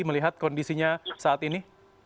melihat kondisinya saat ini